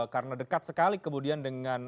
karena dekat sekali kemudian